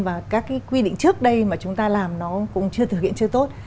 và các cái quy định trước đây mà chúng ta làm nó cũng chưa thực hiện chưa tốt